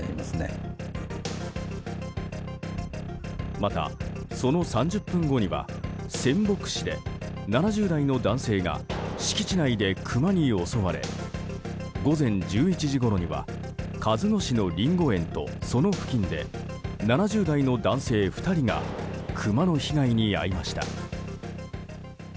また、その３０分後には仙北市で７０代の男性が敷地内でクマに襲われ午前１１時ごろには鹿角市のリンゴ園と、その付近で７０代の男性２人がクマの被害に遭いました。